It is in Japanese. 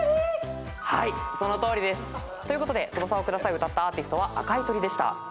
そのとおりです！ということで『翼をください』を歌ったアーティストは赤い鳥でした。